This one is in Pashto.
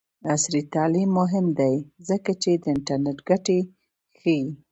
عصري تعلیم مهم دی ځکه چې د انټرنټ ګټې ښيي.